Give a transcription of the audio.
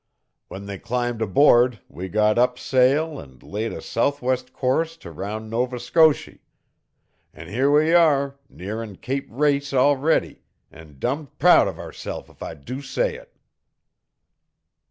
"When they climbed aboard we got up sail and laid a southwest course to round Nova Scoshy; an' here we are, nearin' Cape Race already, and dummed proud of ourselves, if I do say it."